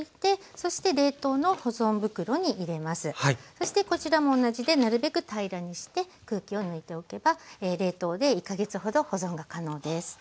そしてこちらも同じでなるべく平らにして空気を抜いておけば冷凍で１か月ほど保存が可能です。